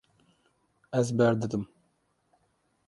Ez berdidim.